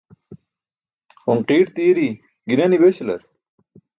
Qonqirt i̇i̇ri, gi̇nani̇ beśalar?